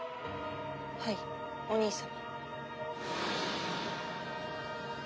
はいお兄様。